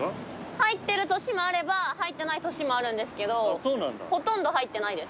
入ってる年もあれば入ってない年もあるんですけどほとんど入ってないです。